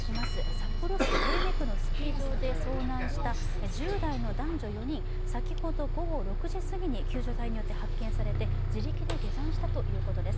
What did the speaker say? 札幌市手稲区のスキー場で遭難した１０代の男女４人、先ほど午後６時すぎに救助隊によって発見されて自力で下山したということです。